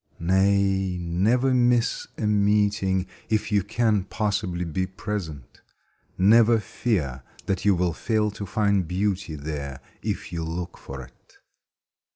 Nay, never miss a meeting if you can possibly be present: never fear that you will fail to find beauty there if you look for it.